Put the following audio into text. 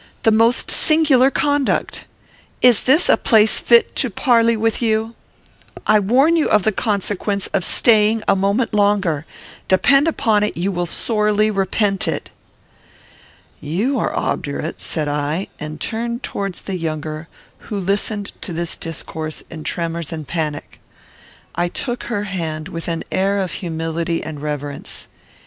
the most singular conduct! Is this a place fit to parley with you? I warn you of the consequence of staying a moment longer. Depend upon it, you will sorely repent it." "You are obdurate," said I, and turned towards the younger, who listened to this discourse in tremors and panic. I took her hand with an air of humility and reverence.